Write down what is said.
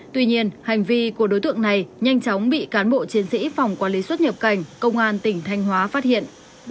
tuy nhiên hành vi của đối tượng này nhanh chóng bị cán bộ chiến sĩ phòng quản lý xuất nhập cảnh công an tỉnh thanh hóa phát hiện